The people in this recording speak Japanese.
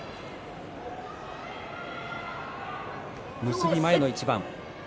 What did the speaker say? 結び前の一番。